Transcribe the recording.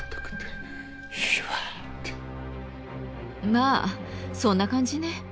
まあそんな感じね。